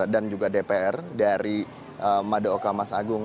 dan juga dpr dari madaoka mas agung